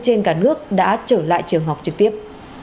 trên cả nước đã trở lại trường học trực tiếp